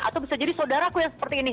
atau bisa jadi saudaraku yang seperti ini